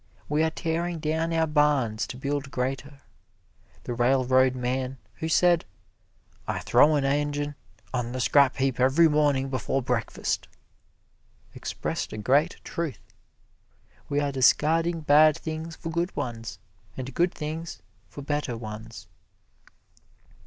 We are tearing down our barns to build greater. The railroadman who said, "I throw an engine on the scrap heap every morning before breakfast," expressed a great truth. We are discarding bad things for good ones, and good things for better ones.